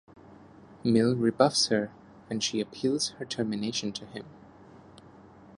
Mill rebuffs her when she appeals her termination to him.